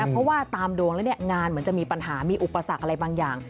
เพราะว่าตามดวงแล้วงานเหมือนจะมีปัญหามีอุปสรรคอะไรบางอย่าง